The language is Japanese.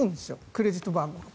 クレジットカードが。